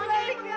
sabarin tuh ya